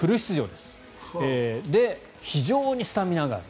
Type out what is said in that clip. で、非常にスタミナがある。